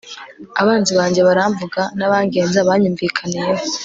abanzi banjye baramvuga, n'abangenza banyumvikaniyeho